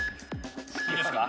いいですか？